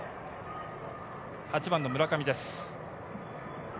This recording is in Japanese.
８番の村上です。